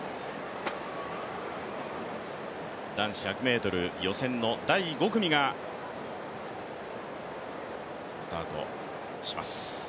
男子１００ｍの予選第５組がスタートします。